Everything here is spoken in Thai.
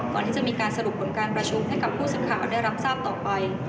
ก่อนที่จะมีการสรุปผลการประชุมให้กับผู้สื่อข่าวได้รับทราบต่อไป